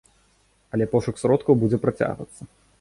Але пошук сродкаў будзе працягвацца.